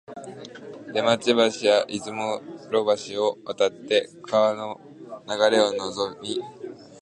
出町橋や出雲路橋を渡って川の流れをのぞみ、